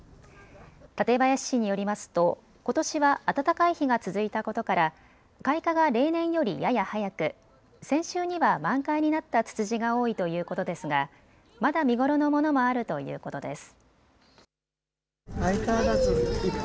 館林市によりますとことしは暖かい日が続いたことから開花が例年よりやや早く先週には満開になったツツジが多いということですがまだ見頃のものもあるということです。